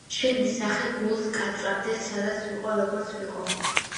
შენი სახე გულს კაწრავდეს, სადაც ვიყო, როგორც ვიყო,